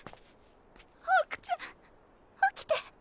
ホークちゃん起きて。